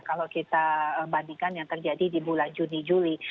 kalau kita bandingkan yang terjadi di bulan juni juli